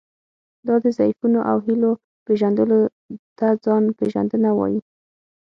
دا د ضعفونو او هیلو پېژندلو ته ځان پېژندنه وایي.